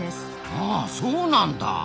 あそうなんだ。